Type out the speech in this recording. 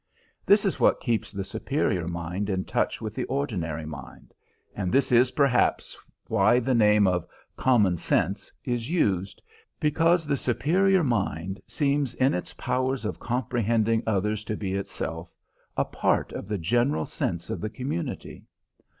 This is what keeps the superior mind in touch with the ordinary mind, and this is perhaps why the name of "common sense" is used, because the superior mind seems in its power of comprehending others to be itself a part of the general sense of the community.